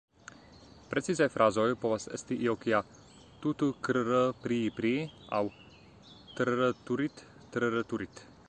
Precizaj frazoj povas esti io kia "tu-tu-krr-prii-prii" aŭ "trr-turit trr-turit...".